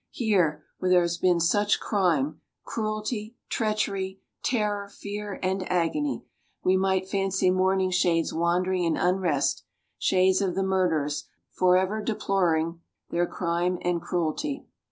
Here, where there has been such crime, cruelty, treachery, terror, fear, and agony, we might fancy mourning shades wandering in unrest, shades of the murderers, forever deploring their crime and cruelty.